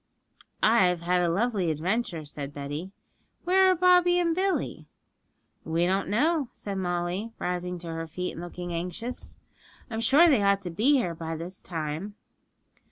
'I've had a lovely adventure,' said Betty. 'Where are Bobby and Billy?' 'We don't know,' said Molly, rising to her feet and looking anxious. 'I'm sure they ought to be here by this time.'